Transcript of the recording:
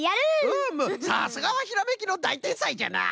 うむさすがはひらめきのだいてんさいじゃな。